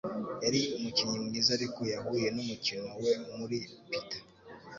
Yari umukinnyi mwiza, ariko yahuye numukino we muri Peter